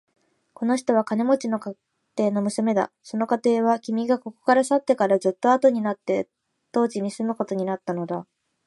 この人は金持の家庭の娘だ。その家庭は、君がここから去ってからずっとあとになって当地に住むことになったのだ。